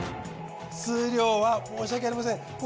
数量は申し訳ありません。